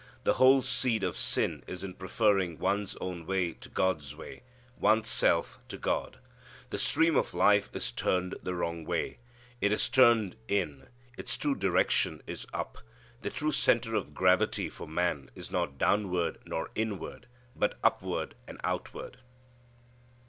The whole seed of sin is in preferring one's own way to God's way; one's self to God. The stream of life is turned the wrong way. It is turned in. Its true direction is up. The true centre of gravity for man is not downward, nor inward, but upward and outward.